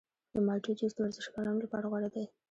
د مالټې جوس د ورزشکارانو لپاره غوره دی.